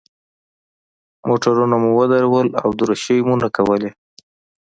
موټرونه مو ودرول او دریشۍ مو نه کولې.